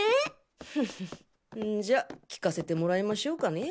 フフッんじゃ聞かせてもらいましょうかね。